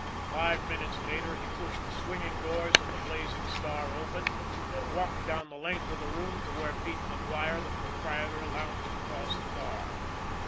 Five minutes later, he pushed the swinging doors of the Blazing Star open, and walked down the length of the room to where Pete MacGuire, the proprietor, lounged across the bar.